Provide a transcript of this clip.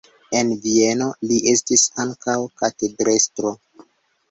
En Vieno li estis ankaŭ katedrestro.